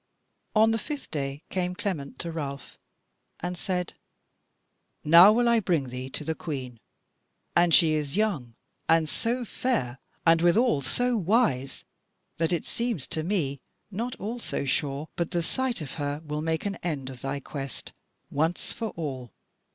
On the fifth day came Clement to Ralph and said: "Now will I bring thee to the Queen, and she is young, and so fair, and withal so wise, that it seems to me not all so sure but that the sight of her will make an end of thy quest once for all.